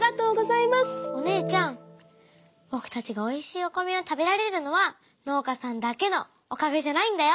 お姉ちゃんぼくたちがおいしいお米を食べられるのは農家さんだけのおかげじゃないんだよ。